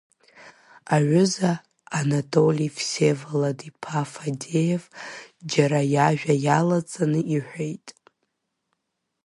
Аҩыза Анатоли Всеволод-иԥа Фадеев џьара иажәа иалаҵаны иҳәеит.